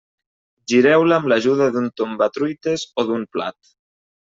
Gireu-la amb l'ajuda d'un tombatruites o d'un plat.